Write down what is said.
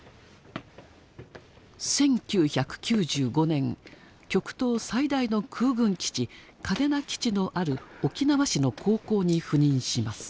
１９９５年極東最大の空軍基地嘉手納基地のある沖縄市の高校に赴任します。